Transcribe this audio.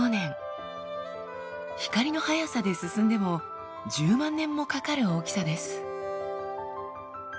光の速さで進んでも１０万年もかかる大きさです。